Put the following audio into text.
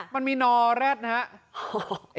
มันมีนอแร็ดนะครับ